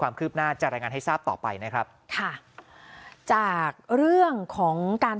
ความคืบหน้าจะรายงานให้ทราบต่อไปนะครับค่ะจากเรื่องของการ